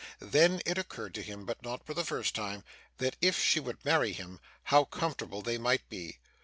Then, it occurred to him, but not for the first time, that if she would marry him, how comfortable they might be!